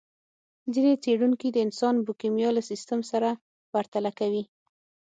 ځينې څېړونکي د انسان بیوکیمیا له سیستم سره پرتله کوي.